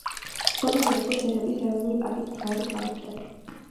ცნობილია, როგორც ეტოშის ეროვნული პარკის მთავარი კარიბჭე.